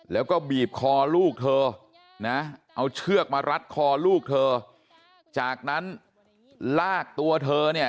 แล้วก็บีบคอลูกเธอนะเอาเชือกมารัดคอลูกเธอจากนั้นลากตัวเธอเนี่ย